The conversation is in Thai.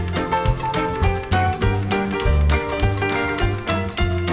โปรดติดตามต่อไป